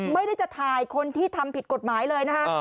ไม่ได้จะถ่ายคนที่ทำผิดกฎหมายเลยนะคะ